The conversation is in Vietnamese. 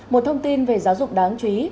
một thông tin về giáo dục đáng chú ý